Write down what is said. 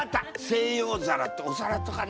西洋皿ってお皿とかね。